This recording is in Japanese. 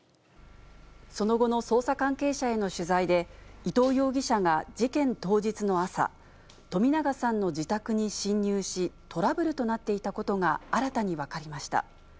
その後の捜査関係者への取材で、伊藤容疑者が事件当日の朝、冨永さんの自宅に侵入し、トラブルとなっていたことが新たに分かりました。